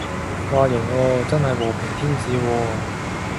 嘩，型喎，真係和平天使喎